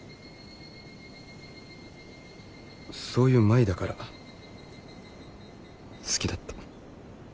そういう舞だから好きだった。